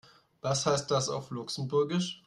Was heißt das auf Luxemburgisch?